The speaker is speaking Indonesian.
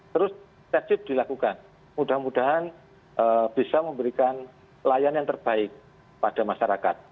terus tersip dilakukan mudah mudahan bisa memberikan layanan yang terbaik pada masyarakat